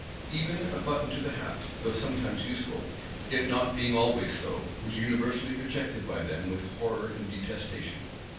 Even a button to the hat, though sometimes useful, yet not being always so, was universally rejected by them with horror and detestation.